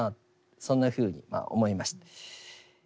そんなふうに思いました。